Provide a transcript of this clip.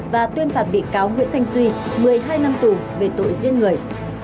và tuyên phạt bị cáo nguyễn thanh duy một mươi hai năm tù về tội giết người